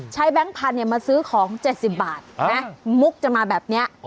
แบงค์พันธุ์มาซื้อของ๗๐บาทนะมุกจะมาแบบนี้